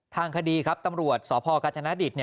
ทางคดีครับตำรวจสกัจฉนาดิษฐ์